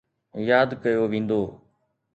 ياد ڪيو ويندو.